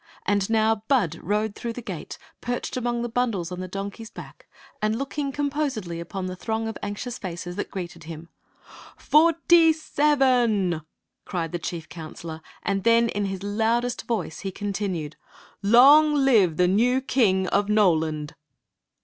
And now Bud rode through the gate, perched among the bundles on the donkey s back and lookii^ Story of the Magic Cloak composedly upon the throng of anxious faces that greeted him. Forty seven r cried the chief counselor ; and then in his loudest voice he continued :" Long live the new King of Noland